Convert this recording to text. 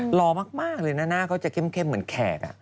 หล่อมากเลยนะหน้าเขาจะเข้มเหมือนแขก